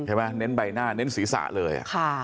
เห็นไหมเน้นใบหน้าเน้นศีรษะเลย